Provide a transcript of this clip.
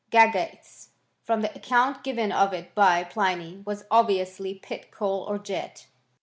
Gagates, from the account given of it by Pliny, was obviously pit coal or jet.